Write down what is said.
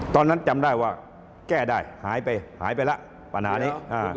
จำได้ว่าแก้ได้หายไปหายไปแล้วปัญหานี้